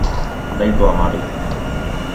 Deitu amari